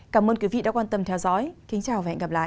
cảm ơn quý vị đã quan tâm theo dõi kính chào và hẹn gặp lại